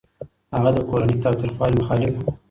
هغه د کورني تاوتريخوالي مخالف و.